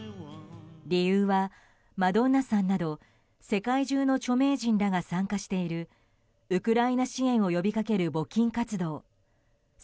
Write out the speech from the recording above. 理由は、マドンナさんなど世界中の著名人らが参加しているウクライナ支援を呼びかける募金活動